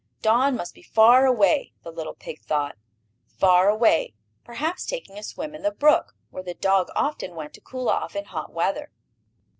Don must be far away, the little pig thought, far away, perhaps taking a swim in the brook, where the dog often went to cool off in hot weather.